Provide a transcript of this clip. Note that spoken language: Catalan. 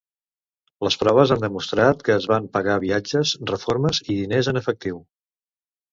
Les proves han demostrat que es van pagar viatges, reformes i diners en efectiu.